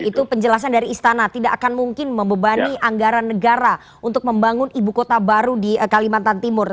itu penjelasan dari istana tidak akan mungkin membebani anggaran negara untuk membangun ibu kota baru di kalimantan timur